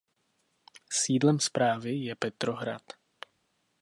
Sídlem správy je Petrohrad.